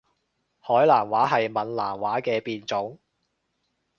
海南話係閩南話嘅變種